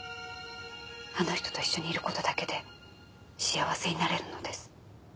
あの人と一緒にいることだけで幸せになれるのです。